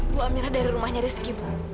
bu amira dari rumahnya rezeki bu